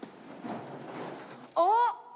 あっ！